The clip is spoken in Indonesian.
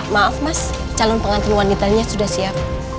maaf mas calon pengantin wanitanya sudah siap